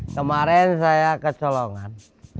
kemarin saya kecolongan